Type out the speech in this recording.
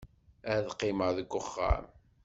Ad qqimeɣ deg uxxam.